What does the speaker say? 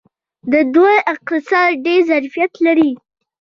د دوی اقتصاد ډیر ظرفیت لري.